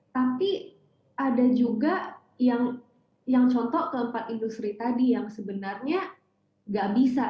tapi ada juga yang contoh keempat industri tadi yang sebenarnya nggak bisa